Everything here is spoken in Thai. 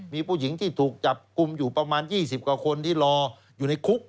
มีผู้หญิงที่ถูกจับกลุ่มอยู่ประมาณ๒๐กว่าคนที่รออยู่ในคุก